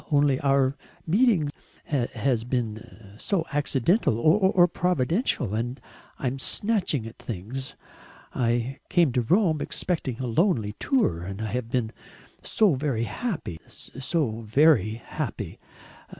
Only our meeting has been so accidental or providential and I am snatching at things. I came to Rome expecting a lonely tour... and I have been so very happy, so very happy.